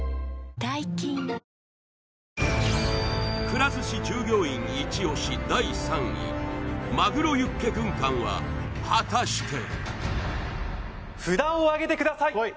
くら寿司従業員イチ押し第３位まぐろユッケ軍艦は果たして札をあげてください